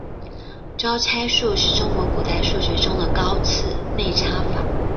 招差术是中国古代数学中的高次内插法。